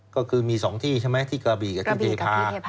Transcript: ก็คือมี๒ที่ใช่ไหมที่กระบีกับคุณเทคา